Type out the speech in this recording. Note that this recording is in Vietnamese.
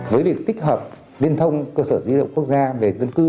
với việc tích hợp liên thông cơ sở dữ liệu quốc gia về dân cư